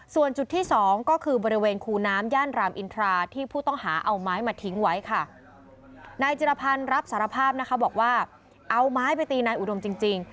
ส่วนจุดที่สองก็คือบริเวณคูน้ำย่านรามอินทราที่ผู้ต้องหาเอาไม้มาทิ้งไว้ค่ะนายจิรพันธ์รับสารภาพนะคะบอกว่าเอาไม้ไปตีนายอุดมจริงจริง